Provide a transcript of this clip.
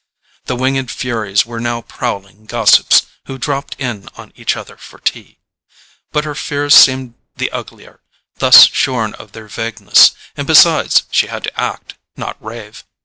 The winged furies were now prowling gossips who dropped in on each other for tea. But her fears seemed the uglier, thus shorn of their vagueness; and besides, she had to act, not rave.